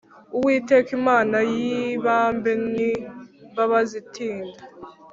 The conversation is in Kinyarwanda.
Uwiteka imana y ibambe n imbabazi itinda